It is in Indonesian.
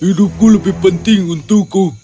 hidupku lebih penting untukku